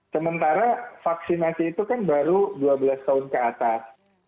sementara vaksinasi itu kan baru dua belas tahun ke atas